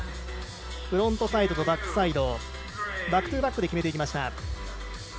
フロントサイドとバックサイドバックトゥバックで決めました。